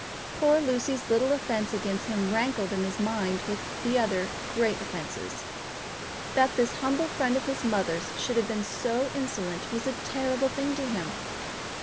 Poor Lucy's little offence against him rankled in his mind with the other great offences. That this humble friend of his mother's should have been so insolent was a terrible thing to him.